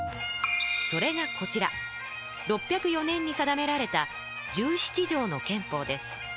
それがこちら６０４年に定められた「十七条の憲法」です。